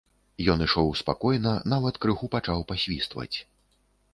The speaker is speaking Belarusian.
Ён ішоў спакойна, нават крыху пачаў пасвістваць.